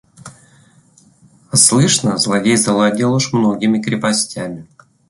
– А слышно, злодей завладел уж многими крепостями.